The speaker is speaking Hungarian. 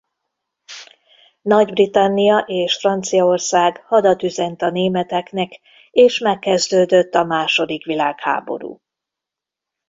Nagy-Britannia és Franciaország hadat üzent a németeknek és megkezdődött a második világháború.